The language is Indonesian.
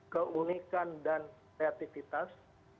keunikan dan kreatifitas